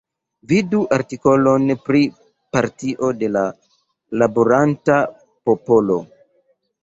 Vidu artikolon pri Partio de la Laboranta Popolo.